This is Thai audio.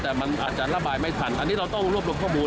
แต่มันอาจจะระบายไม่ทันอันนี้เราต้องรวบรวมข้อมูล